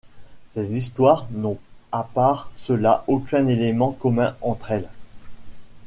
Ces histoires n'ont à part cela aucun élément commun entre elles.